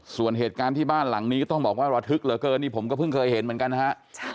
ส่วนเหตุการณ์ที่บ้านหลังนี้ก็ต้องบอกว่าระทึกเหลือเกินนี่ผมก็เพิ่งเคยเห็นเหมือนกันนะฮะ